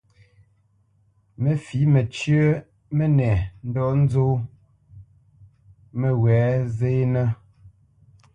Mə fǐ məcyə́ mənɛ ndɔ́ ŋkwɛʼnə́ nzó məwɛ̌ zénə́.